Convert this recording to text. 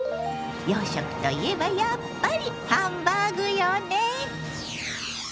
洋食といえばやっぱりハンバーグよね。